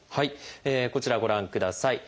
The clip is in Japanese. こちらご覧ください。